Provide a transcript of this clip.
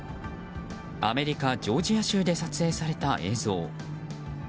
アメリカ・ジョージア州で撮影された映像。